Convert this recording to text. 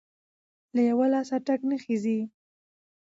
ـ له يوه لاسه ټک نخيژي.